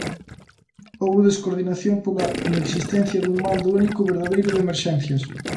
Houbo descoordinación pola inexistencia dun mando único verdadeiro de emerxencias.